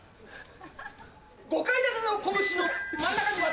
５階建ての拳の真ん中に私。